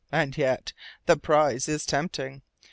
And yet the prize is tempting!